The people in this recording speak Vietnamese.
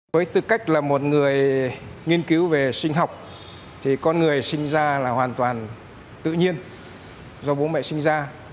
với tư cách là một người nghiên cứu về sinh học thì con người sinh ra là hoàn toàn tự nhiên do bố mẹ sinh ra